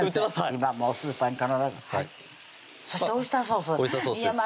今もうスーパーに必ずそしてオイスターソースオイスターソースです